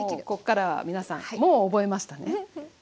ここからは皆さんもう覚えましたね？